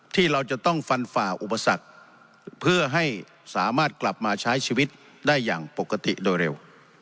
ที่เราจะต้องฟันฝ่าอุปสรรคเพื่อให้สามารถกลับมาใช้ชีวิตได้อย่างปกติโดยเร็ว